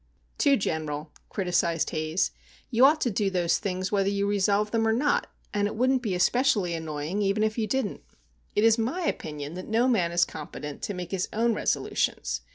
"Too general," criticised Haze. "You ought to do those things whether you resolve them or not,—and it wouldn't be especially annoying even if you didn't. It is my opinion that no man is competent to make his own resolutions.